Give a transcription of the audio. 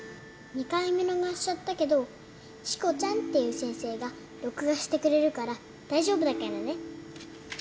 ２回見逃しちゃったけどしこちゃんっていう先生が録画してくれるから大丈夫だからね。